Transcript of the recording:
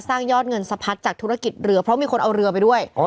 ยอดเงินสะพัดจากธุรกิจเรือเพราะมีคนเอาเรือไปด้วย